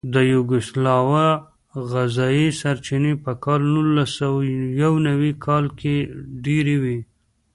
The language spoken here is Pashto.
د یوګوسلاویا غذایي سرچینې په کال نولسسوهیونوي کال کې ډېرې وې.